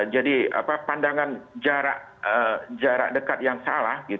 jadi pandangan jarak dekat yang salah